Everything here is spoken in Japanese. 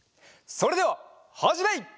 それでははじめい！